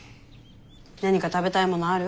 何か食べたいものある？